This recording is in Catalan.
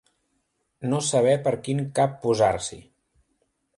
No saber per quin cap posar-s'hi.